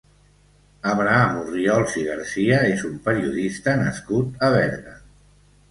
Abraham Orriols i Garcia és un periodista nascut a Berga.